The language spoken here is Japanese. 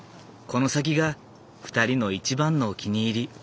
この先が２人の一番のお気に入り。